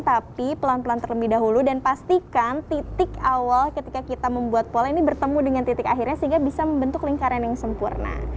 tapi pelan pelan terlebih dahulu dan pastikan titik awal ketika kita membuat pola ini bertemu dengan titik akhirnya sehingga bisa membentuk lingkaran yang sempurna